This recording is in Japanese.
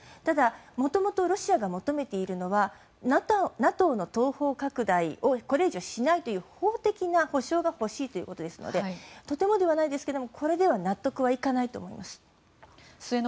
ただ元々ロシアが求めているのはＮＡＴＯの東方拡大をこれ以上しないという法的な保証が欲しいということですのでとてもではないですけどこれでは納得いかないと思います。